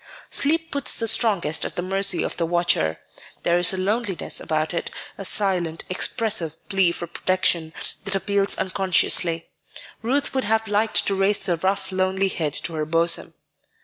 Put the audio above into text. Sleep puts the strongest at the mercy of the watcher; there is a loneliness about it, a silent, expressive plea for protection, that appeals unconsciously. Ruth would have liked to raise the rough, lonely head to her bosom.